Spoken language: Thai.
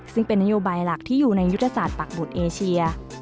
ซึ่งเป็นนโยบายหลักที่อยู่ในยุทธศาสตร์ปักหมุดเอเชีย